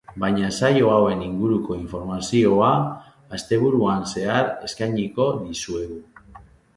Baina saio hauen inguruko informazioa asteburuan zehar eskainiko dizuegu.